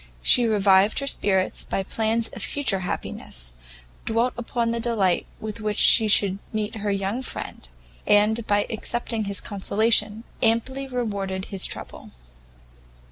She revived her spirits by plans of future happiness, dwelt upon the delight with which she should meet her young friend, and, by accepting his consolation, amply rewarded his trouble.